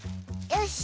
よし！